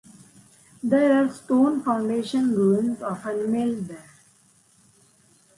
There are stone foundation ruins of an mill there.